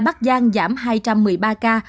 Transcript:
bắc giang hai trăm một mươi ba ca